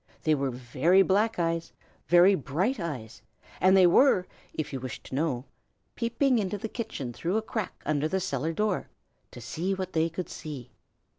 They were very black eyes, very bright eyes, and they were, if you wish to know, peeping into the kitchen through the crack under the cellar door, to see what they could see.